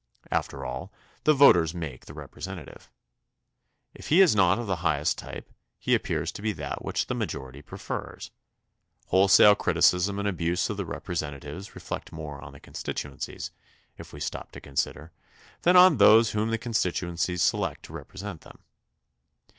After all, the voters make the representative. If he is not of the highest type, he appears to be that which the majority prefers. Wholesale criticism and abuse of the representatives reflect more on the constituencies, if we stop to con sider, than on those whom the constituencies select to represent them.